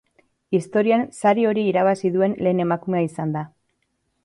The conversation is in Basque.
Historian sari hori irabazi duen lehen emakumea izan da.